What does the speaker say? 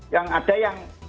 yang ada yang